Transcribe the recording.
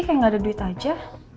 kayak gak ada duit aja